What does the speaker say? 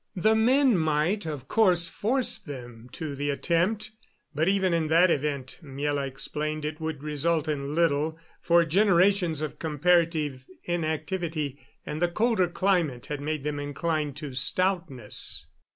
The men might, of course, force them to the attempt, but even in that event, Miela explained, it would result in little; for generations of comparative inactivity and the colder climate had made them inclined to stoutness.